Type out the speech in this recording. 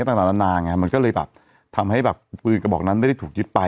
ต่างนานาไงมันก็เลยแบบทำให้แบบปืนกระบอกนั้นไม่ได้ถูกยึดไป